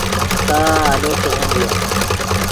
تا آلو ݰیغیم ڤیو